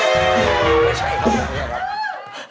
เป็นเรื่องราวของแม่นาคกับพี่ม่าครับ